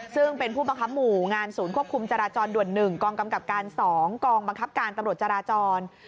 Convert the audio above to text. ซึ่งเป็นผู้บังคับหมู่งานศูนย์ควบคุมจราจรด่วน๑กองกำกับการ๒กองบังคับการตำรวจจราจร